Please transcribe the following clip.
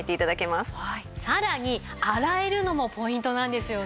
さらに洗えるのもポイントなんですよね。